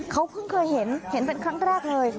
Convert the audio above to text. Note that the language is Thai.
เขาเพิ่งเคยเห็นเห็นเป็นครั้งแรกเลย